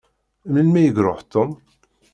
Melmi i iṛuḥ Tom?